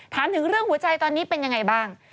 ถามถึงเรื่องหัวใจตอนนี้เป็นยังไงบ้าง